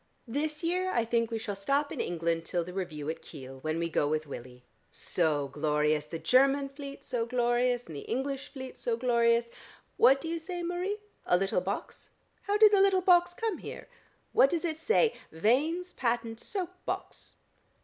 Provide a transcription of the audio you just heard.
This year I think we shall stop in England till the review at Kiel, when we go with Willie. So glorious! The Cherman fleet so glorious, and the English fleet so glorious. What do you say, Marie? A little box? How did the little box come here? What does it say? Vane's patent soap box."